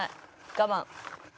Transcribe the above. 我慢」